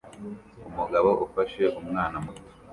Umugabo ufashe umwana muto